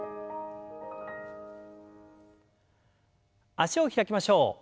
脚を開きましょう。